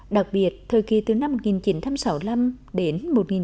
đặc biệt thời kỳ từ năm một nghìn chín trăm sáu mươi năm đến một nghìn chín trăm bảy mươi